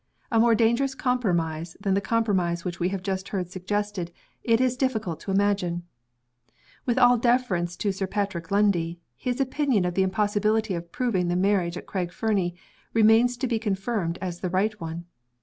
"A more dangerous compromise than the compromise which we have just heard suggested it is difficult to imagine. With all deference to Sir Patrick Lundie, his opinion of the impossibility of proving the marriage at Craig Fernie remains to be confirmed as the right one.